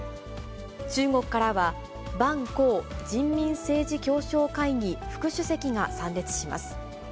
中国からは、万鋼人民政治協商会議副主席が参列します。